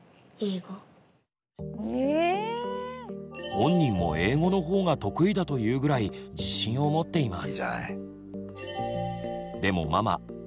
本人も英語の方が得意だというぐらい自信を持っています。